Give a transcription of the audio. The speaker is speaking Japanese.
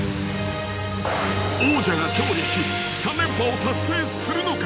王者が勝利し３連覇を達成するのか？